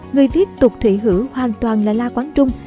người viết tục thủy hữ hoàn toàn là la quán trung